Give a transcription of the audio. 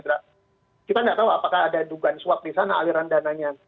kita tidak tahu apakah ada dugaan suap di sana aliran dananya